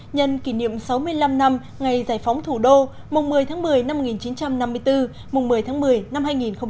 nhân kỷ niệm sáu mươi năm năm ngày giải phóng thủ đô mùng một mươi tháng một mươi năm một nghìn chín trăm năm mươi bốn mùng một mươi tháng một mươi năm hai nghìn hai mươi